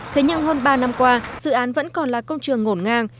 thế nhưng hơn ba năm qua dự án vẫn còn là công trường ngổn ngang